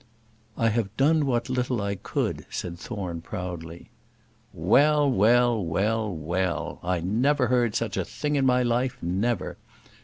"I have done what little I could," said Thorne, proudly. "Well, well, well, well, I never heard such a thing in my life; never.